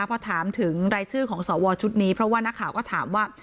พอถามถึงรายชื่อของสวชุดนี้เพราะว่านักข่าวก็ถามว่า